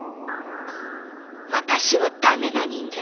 「私は駄目な人間だ」